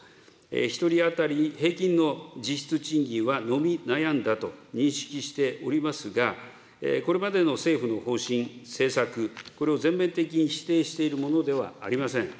１人当たり、平均の実質賃金は伸び悩んだと認識しておりますが、これまでの政府の方針、政策、これを全面的に否定しているものではありません。